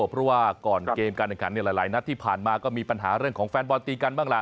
เพราะว่าก่อนเกมการแข่งขันในหลายนัดที่ผ่านมาก็มีปัญหาเรื่องของแฟนบอลตีกันบ้างล่ะ